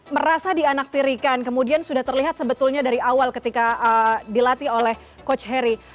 merasa dianaktirikan kemudian sudah terlihat sebetulnya dari awal ketika dilatih oleh coach harry